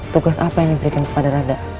tugas apa yang diberikan kepada rada